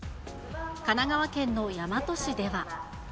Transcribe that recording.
神奈川県の大和市では。